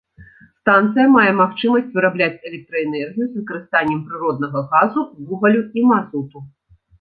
Станцыя мае магчымасць вырабляць электраэнергію з выкарыстаннем прыроднага газу, вугалю і мазуту.